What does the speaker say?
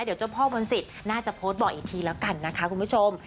เดี๋ยวเจ้าพ่อมนศิษย์น่าจะโพสต์บอกอีกทีแล้วกันนะคะคุณผู้ชม